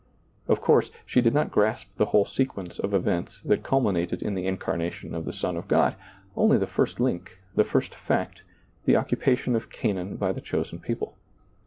Of course, she did not grasp the whole se quence of events that culminated in the incarna tion of the Son of God — only the first link, the first fact, the occupation of Canaan by the chosen people.